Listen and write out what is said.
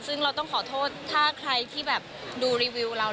ซึ่งเราต้องขอโทษถ้าใครที่แบบดูรีวิวเรา